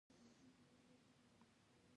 په معنوياتو پسې نه ګرځي.